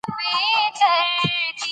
وادي د افغان ځوانانو د هیلو استازیتوب کوي.